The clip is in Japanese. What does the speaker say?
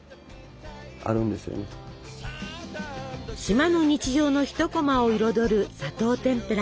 島の日常の一こまを彩る砂糖てんぷら。